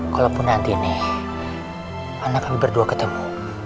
kalaupun nanti ini anak kami berdua ketemu